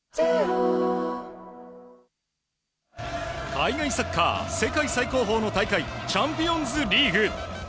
海外サッカー世界最高峰の大会チャンピオンズリーグ。